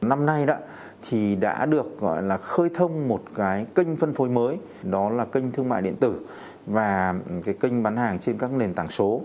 năm nay đã được khơi thông một kênh phân phối mới đó là kênh thương mại điện tử và kênh bán hàng trên các nền tảng số